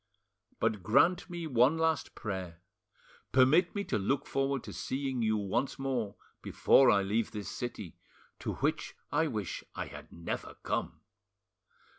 But grant me one last prayer permit me to look forward to seeing you once more before I leave this city, to which I wish I had never come.